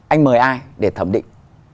anh mời ai để thẩm định